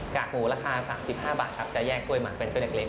กากหมูราคา๓๕บาทครับจะแยกกล้วยหมักเป็นกล้วยเล็ก